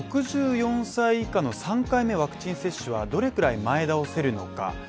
６４歳以下の３回目ワクチン接種はどれくらい前倒せるのか。